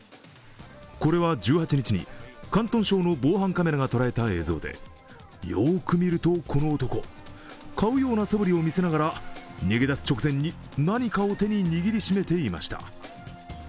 これは１８日に広東省の防犯カメラが捉えた映像でよく見ると、この男、買うようなそぶりを見せながら逃げ出す直前に何かを手に握り締めていました。